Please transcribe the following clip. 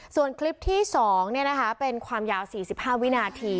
ส่วนคลิปที่๒เนี่ยนะคะเป็นความยาว๔๕วินาที